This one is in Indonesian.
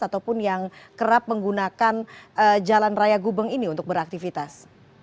ataupun yang kerap menggunakan jalan raya gubeng ini untuk beraktivitas